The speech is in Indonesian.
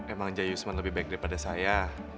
emang jayusman lebih baik daripada saya